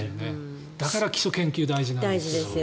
だから基礎研究、大事なんですよ。